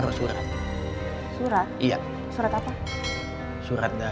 lihat apa itu